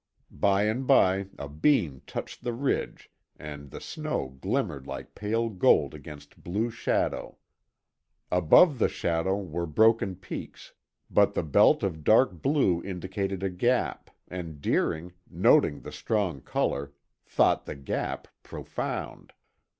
By and by a beam touched the ridge and the snow glimmered like pale gold against blue shadow. Above the shadow were broken peaks, but the belt of dark blue indicated a gap and Deering, noting the strong color, thought the gap profound.